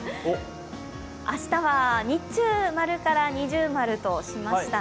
明日は日中、○から◎としました。